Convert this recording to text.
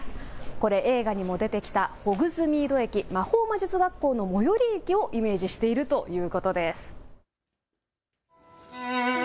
これ映画にも出てきたホグズミード駅、魔法魔術学校の最寄り駅をイメージしているということです。